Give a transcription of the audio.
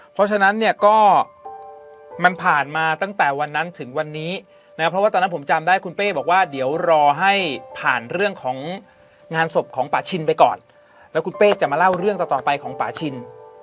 เพราะฉะนั้นเนี่ยก็มันผ่านมาตั้งแต่วันนั้นถึงวันนี้นะเพราะว่าตอนนั้นผมจำได้คุณเป้บอกว่าเดี๋ยวรอให้ผ่านเรื่องของงานศพของป่าชินไปก่อนแล้วคุณเป้จะมาเล่าเรื่องต่อต่อไปของป่าชิน